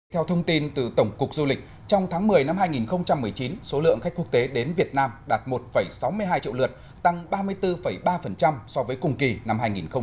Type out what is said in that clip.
theo thông tin từ tổng cục du lịch trong tháng một mươi năm hai nghìn một mươi chín số lượng khách quốc tế đến việt nam đạt một sáu mươi hai triệu lượt tăng ba mươi bốn ba so với cùng kỳ năm hai nghìn một mươi tám